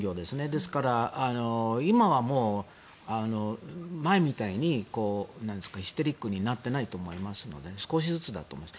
ですから今はもう前みたいにヒステリックになっていないと思いますので少しずつだと思います。